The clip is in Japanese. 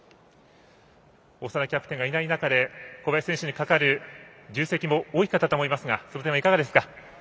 長田キャプテンがいない中で小林選手にかかる重責も大きかったと思いますがその点はいかがですか？